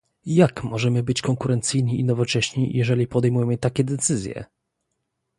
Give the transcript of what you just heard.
Jak możemy być konkurencyjni i nowocześni, jeżeli podejmujemy takie decyzje?